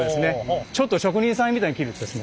ちょっと職人さんみたいに切るとですね